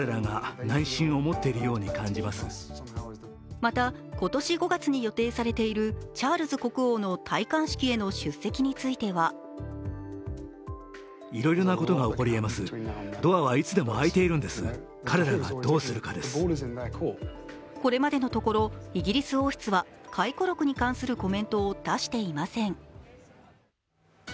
また今年５月に予定されているチャールズ国王の戴冠式への出席についてはこれまでのところ、イギリス王室は回顧録に関するコメントを出していません。